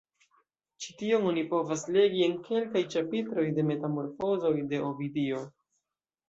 Ĉi tion oni povas legi en kelkaj ĉapitroj de Metamorfozoj de Ovidio.